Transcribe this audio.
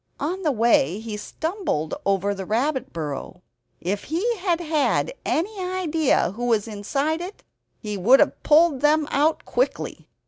On the way, he stumbled over the rabbit burrow. If he had had any idea who was inside it he would have pulled them out quickly.